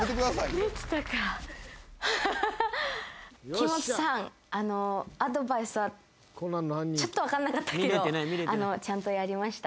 木本さんアドバイスはちょっと分かんなかったけどちゃんとやりました。